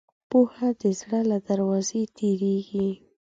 پوهه د زړه له دروازې تېرېږي.